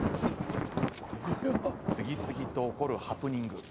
次々と起こるハプニング。